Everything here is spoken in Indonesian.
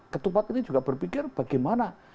ketupat ini juga berpikir bagaimana